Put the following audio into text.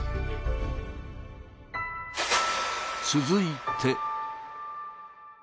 続いて。